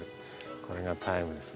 これがタイムですね。